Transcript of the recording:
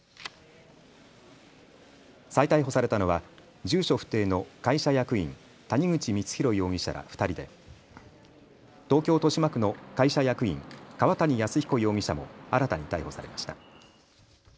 再逮捕されたのは住居不定の会社役員、谷口光弘容疑者ら２人で、東京豊島区の会社役員、川谷泰彦容疑者も新たに逮捕されました。